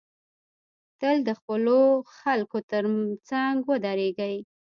تل د خپلو خلکو تر څنګ ودریږی